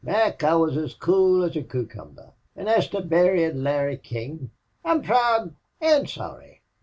"Mac, I wuz as cool as a coocumber. An' as to buryin' Larry King, I'm proud an' sorry.